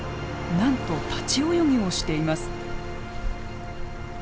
なんと立ち泳ぎをしています。